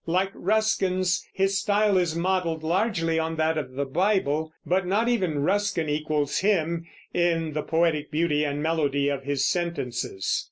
Like Ruskin's, his style is modeled largely on that of the Bible, but not even Ruskin equals him in the poetic beauty and melody of his sentences.